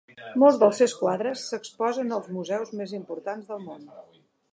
Molts dels seus quadres s'exposen als museus més importants del món.